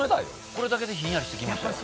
これだけでひんやりしてきましたよ